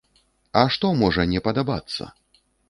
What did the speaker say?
А што можа не падабацца?